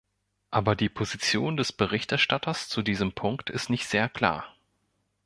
Aber die Position des Berichterstatters zu diesem Punkt ist nicht sehr klar.